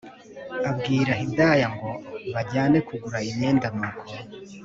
abwira Hidaya ngo bajyanye kugura imyenda nuko